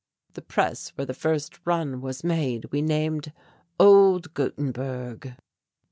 The press where the first run was made we named 'Old Gutenberg.'"